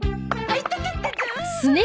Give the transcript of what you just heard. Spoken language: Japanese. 会いたかったゾ！